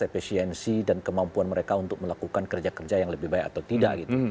efisiensi dan kemampuan mereka untuk melakukan kerja kerja yang lebih baik atau tidak gitu